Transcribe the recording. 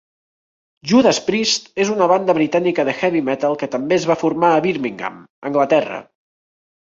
Judas Priest és una banda britànica de heavy metal que també es va formar a Birmingham, Anglaterra.